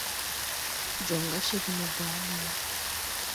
Jɔŋ ga cegè mo baa ndo wà.